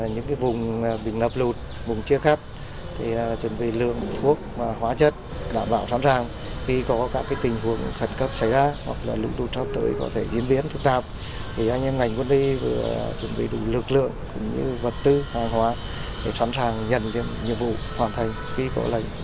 những vùng bị ngập lụt vùng chia khắp chuẩn bị lương bộ quốc hóa chất đảm bảo sẵn sàng